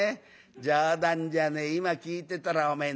冗談じゃねえ今聞いてたらおめえ